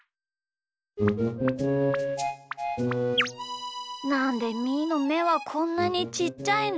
なんでみーのめはこんなにちっちゃいんだ？